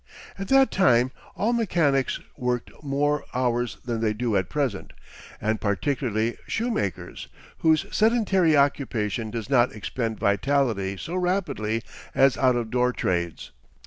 At that time all mechanics worked more hours than they do at present, and particularly shoemakers, whose sedentary occupation does not expend vitality so rapidly as out of door trades.